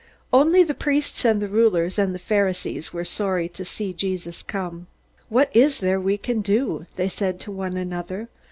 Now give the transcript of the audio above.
Only the priests and the rulers and the Pharisees were sorry to see Jesus come. "What is there we can do?" they said to one another.